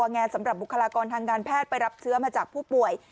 แงสำหรับบุคลากรทางการแพทย์ไปรับเชื้อมาจากผู้ป่วย